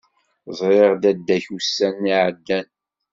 Ẓriɣ dadda-k ussan-a iεeddan.